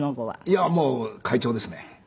いやもう快調ですね。